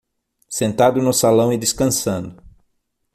Sentado no salão e descansando